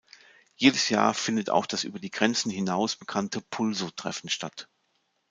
Jedes Jahr findet auch das über die Grenzen hinaus bekannte Pulso-Treffen statt.